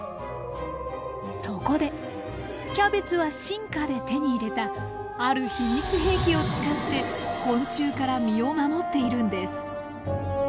そこでキャベツは進化で手に入れたある秘密兵器を使って昆虫から身を守っているんです。